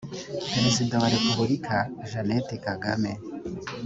perezida wa repubulika jeannette kagame